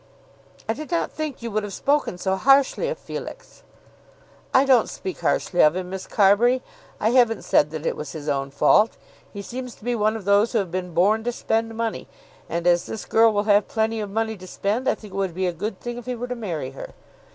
"I did not think you would have spoken so harshly of Felix." "I don't speak harshly of him, Miss Carbury. I haven't said that it was his own fault. He seems to be one of those who have been born to spend money; and as this girl will have plenty of money to spend, I think it would be a good thing if he were to marry her.